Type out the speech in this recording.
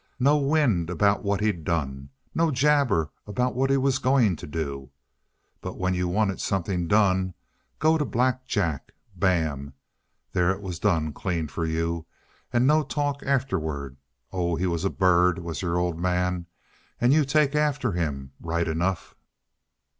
"No wind about what he'd done. No jabber about what he was going to do. But when you wanted something done, go to Black Jack. Bam! There it was done clean for you and no talk afterward. Oh, he was a bird, was your old man. And you take after him, right enough!"